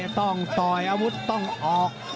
ต้องเตะต้องต่อยอาวุธต้องออก